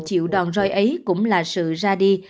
chịu đòn roi ấy cũng là sự ra đi